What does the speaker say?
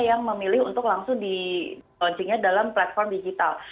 yang memilih untuk langsung di launchingnya dalam platform digital